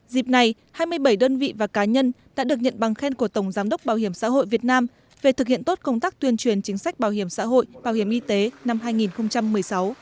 dịp này hai mươi bảy đơn vị và cá nhân đã được nhận bằng khen của tổng giám đốc bảo hiểm xã hội việt nam về thực hiện tốt công tác tuyên truyền chính sách bảo hiểm xã hội bảo hiểm y tế năm hai nghìn một mươi sáu